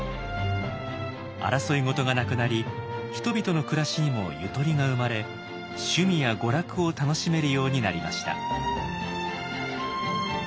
争い事がなくなり人々の暮らしにもゆとりが生まれ趣味や娯楽を楽しめるようになりました。